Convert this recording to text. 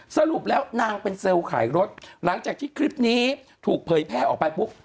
สรุปแล้วนางเป็นเซลล์ขายรถหลังจากที่คลิปนี้ถูกเผยแพร่ออกไปปุ๊บ